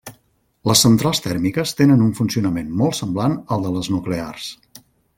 Les centrals tèrmiques tenen un funcionament molt semblant al de les nuclears.